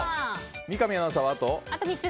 三上アナウンサーはあと３つ。